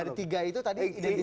dari tiga itu tadi identifikasi tadi